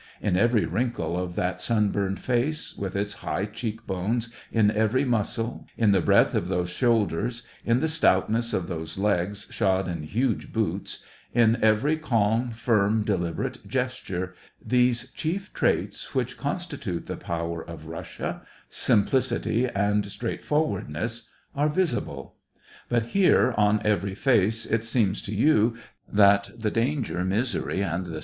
In every wrinkle of that sunburned face, with its high cheek bones, in every muscle, in the breadth of those shoulders, in the stoutness of those legs shod in huge boots, in every calm, firm, deliberate gesture, these chief traits which consti tute the power of Russia — simplicity and straight forwardness — are visible ; but here, on every face, it seems to you that the danger, misery, and the SEVASTOPOL IN DECEMBER.